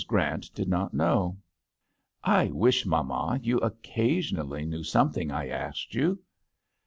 Grant did not know. '* I wish, mamma, you occa sionally knew something I asked you."